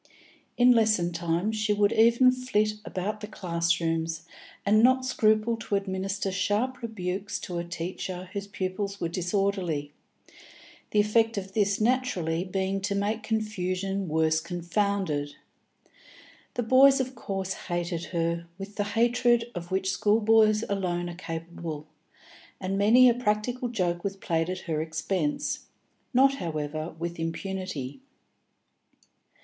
In lesson time she would even flit about the classrooms, and not scruple to administer sharp rebukes to a teacher whose pupils were disorderly, the effect of this naturally being to make confusion worse confounded. The boys of course hated her with the hatred of which schoolboys alone are capable, and many a practical joke was played at her expense, not, however, with impunity.